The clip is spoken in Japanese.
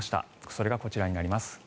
それがこちらになります。